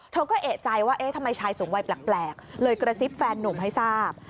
เธอก็เอกใจว่าเอ๊ะทำไมชายสูงวัยแปลกเลยกระซิบแฟนนุ่มให้ทราบ